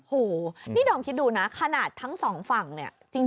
โหนี่ดอมคิดดูนะขนาดทั้งสองฝั่งเนี่ย